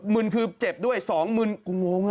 ึนคือเจ็บด้วย๒มึนกูงง